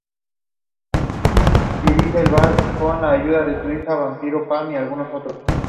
En la actualidad cuentan con su propio sitio web y redes sociales.